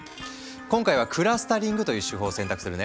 今回はクラスタリングという手法を選択するね。